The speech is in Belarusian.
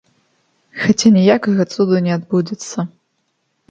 Хаця ніякага цуду не адбудзецца.